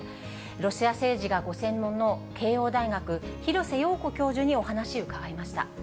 ロシア政治がご専門の慶応大学、廣瀬陽子教授にお話伺いました。